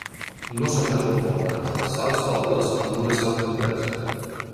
No s'han de confondre les sals dobles amb una sal complexa.